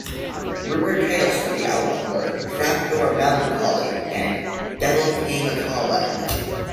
Rumoured titles for the album were "Trapdoor Melancholy" and "Devil Came A Calling".